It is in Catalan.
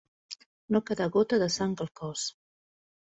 No quedar gota de sang al cos.